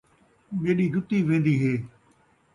میݙی جتی وین٘دی ہے